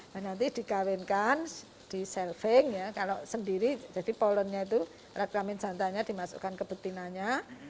nah nanti dikawinkan di selfing ya kalau sendiri jadi polonnya itu reklamin jantannya dimasukkan ke betinanya